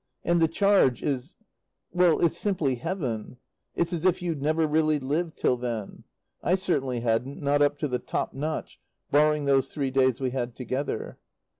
And the charge is well, it's simply heaven. It's as if you'd never really lived till then; I certainly hadn't, not up to the top notch, barring those three days we had together.